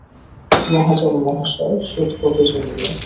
মহাজন-মহাশয়, সুদ কত জমিল?